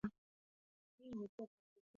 viazi hupanuka vizuri vikipaliliwa